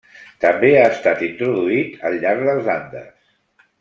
També ha estat introduït al llarg dels Andes.